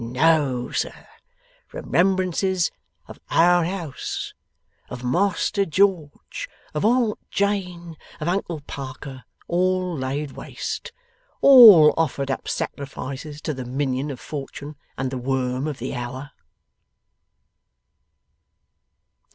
'No, sir! Remembrances of Our House, of Master George, of Aunt Jane, of Uncle Parker, all laid waste! All offered up sacrifices to the minion of fortune and the worm of the hour!